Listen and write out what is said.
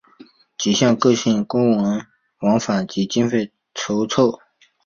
几经各项公文书往返及经费筹凑。